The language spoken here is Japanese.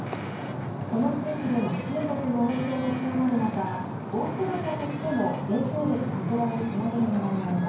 この地域での中国の影響が強まる中オーストラリアとしても影響力拡大につなげるねらいがあります。